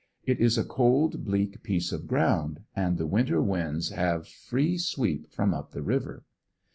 It is a cold, bleak piece of ground and the winter winds have free sweep from up the river.